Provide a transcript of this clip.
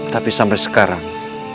tapi sampai sekarang